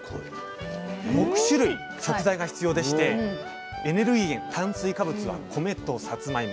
６種類食材が必要でしてエネルギー源炭水化物は米とさつまいも。